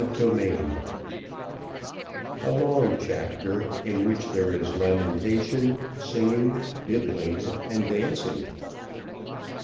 Chapter IX A long chapter, in which there is lamentation, singing, bibbing, and dancing.